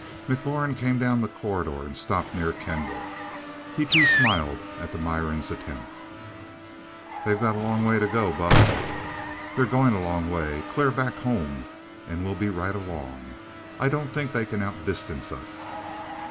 McLaurin came down the corridor, and stopped near Kendall. He too smiled at the Miran's attempts. "They've got a long way to go, Buck." "They're going a long way. Clear back home and we'll be right along. I don't think they can outdistance us."